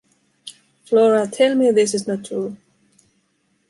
Flora, tell me this is not true...